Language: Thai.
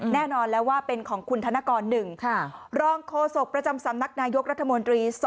แน่นอนแล้วว่าเป็นของคุณธนกร๑รองโฆษกประจำสำนักนายกรัฐมนตรี๒